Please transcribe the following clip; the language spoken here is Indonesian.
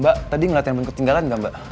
mbak tadi ngeliat handphone ketinggalan gak mbak